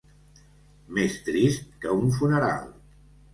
Més trist que un funeral.